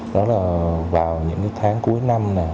đó là vào những tháng cuối năm